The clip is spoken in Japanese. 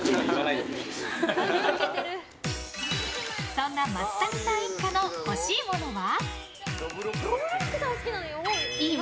そんな松谷さん一家の欲しいものは？